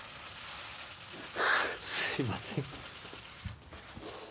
すみません。